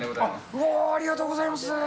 うわー、ありがとうございます。